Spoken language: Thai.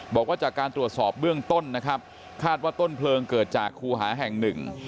บอกว่าจากการตรวจสอบเบื้องต้นนะครับคาดว่าต้นเพลิงเกิดจากครูหาแห่งหนึ่ง